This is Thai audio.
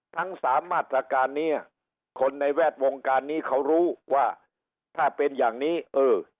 ทั้งสามมาตรการนี้คนในแวดวงการนี้เขารู้ว่าถ้าเป็นอย่างนี้เออ